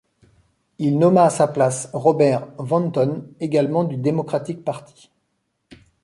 Il nomma à sa place Robert Woonton également du Democratic Party.